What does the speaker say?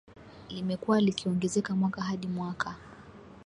limekuwa likiongezeka mwaka hadi mwaka